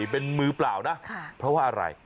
เป็นมือเปล่านะเพราะว่าอะไร